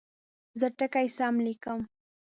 زه ټکي سم لیکم.